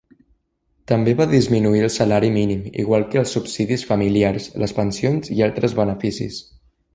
També va disminuir el salari mínim, igual que els subsidis familiars, les pensions i altres beneficis.